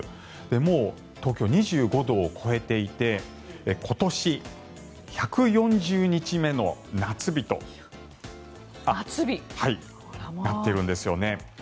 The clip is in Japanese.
もう東京、２５度を超えていて今年１４０日目の夏日となっているんですよね。